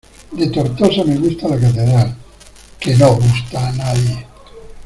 De Tortosa me gusta la catedral, ¡que no gusta a nadie!